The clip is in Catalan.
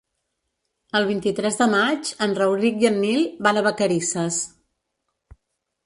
El vint-i-tres de maig en Rauric i en Nil van a Vacarisses.